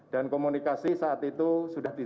dan komunikasi saat itu sudah terlihat